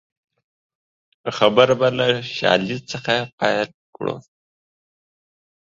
خبره به له شالید څخه پیل کړو